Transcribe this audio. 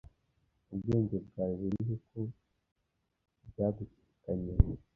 Ubwenge bwawe burihe ko byagucikanye?